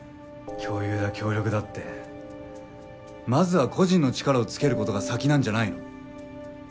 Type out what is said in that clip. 共有だ協力だってまずは個人の力をつける事が先なんじゃないの？